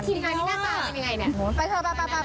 ที่ทิมงานนี่น่ากลงแล้วยังยังไงเนี่ย